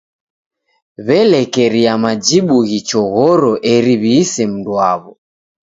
W'elekeria majibu ghichoghoro eri w'iise mndu waw'o.